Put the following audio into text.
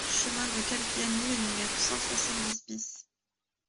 Chemin de Calviani au numéro cent soixante-dix BIS